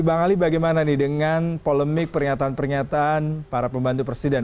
bang ali bagaimana nih dengan polemik pernyataan pernyataan para pembantu presiden